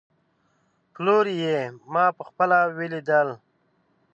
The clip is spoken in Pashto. پلوري يې، ما په خپله وليدل